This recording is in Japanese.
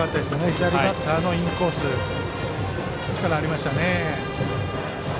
左バッターへのインコース力がありましたね。